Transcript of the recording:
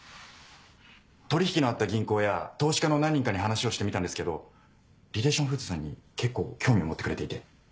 取引のあった銀行や投資家の何人かに話をしてみたんですけどリレーション・フーズさんに結構興味を持ってくれていて。